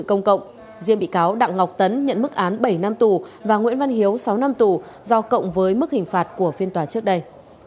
công cộng riêng bị cáo đặng ngọc tấn nhận mức án bảy năm tù và nguyễn văn hiếu sáu năm tù do cộng với mức hình phạt của phiên tòa trước đây